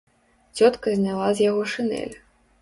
Цётка зняла з яго шынель.